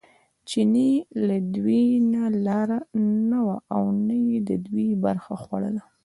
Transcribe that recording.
چیني له دوی نه لاره نه او نه یې د دوی برخه خوړه.